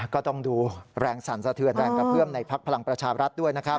ก็ต้องดูแรงสั่นสะเทือนแรงกระเพื่อมในพักพลังประชารัฐด้วยนะครับ